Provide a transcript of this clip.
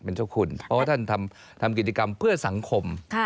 เป็นเจ้าคุณจะทำกิจกรรมเพื่อสังคม